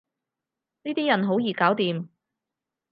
呢啲人好易搞掂